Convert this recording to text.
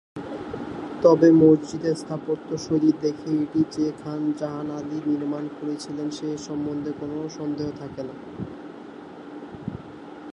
তবে মসজিদটির স্থাপত্যশৈলী দেখলে এটি যে খান জাহান আলী নির্মাণ করেছিলেন সে সম্বন্ধে কোনো সন্দেহ থাকে না।